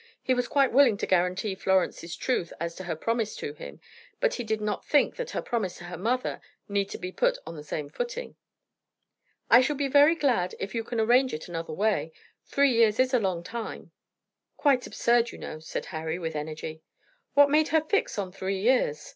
He was quite willing to guarantee Florence's truth as to her promise to him, but he did not think that her promise to her mother need be put on the same footing. "I shall be very glad if you can arrange it any other way. Three years is a long time." "Quite absurd, you know," said Harry, with energy. "What made her fix on three years?"